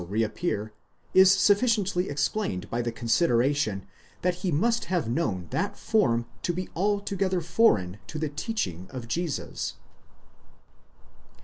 reappear, is sufficiently explained by the consideration, that he must have known that form to be altogether foreign to the teaching of Jesus.